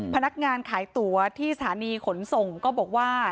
พนักงานขายตั๋วที่สถานีขนส่งก็บอกว่า